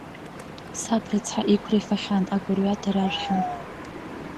Саб рыцҳа иқәра ифахьан, агәырҩа даражәхьан.